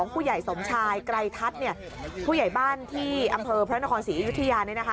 ผู้ใหญ่สมชายไกรทัศน์เนี่ยผู้ใหญ่บ้านที่อำเภอพระนครศรียุธิยาเนี่ยนะคะ